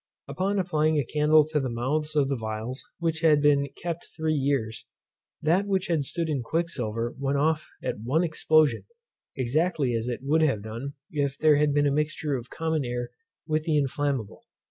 Upon applying a candle to the mouths of the phials which had been kept three years, that which had stood in quicksilver went off at one explosion, exactly as it would have done if there had been a mixture of common air with the inflammable.